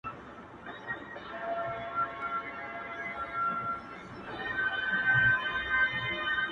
دا سپوږمۍ وينې؛